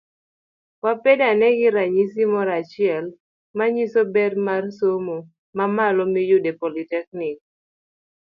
Wabed ane gi ranyisi moro achiel manyiso ber mar somo mamalo miyudo e politeknik.